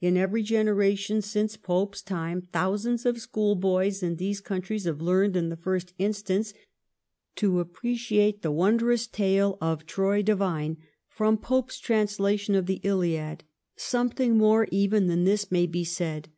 In every generation since Pope's time thousands of schoolboys in these countries have learned in the first instance to appreciate the wondrous tale of Troy divine from Pope's translation of the ' Iliad.' Something more even than this may be said.